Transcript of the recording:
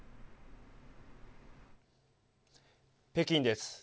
北京です。